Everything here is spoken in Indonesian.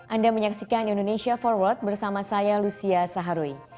anda menyaksikan indonesia forward bersama saya lucia saharuy